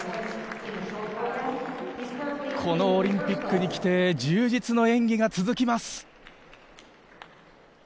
このオリンピックに来て充実の演技が続きます。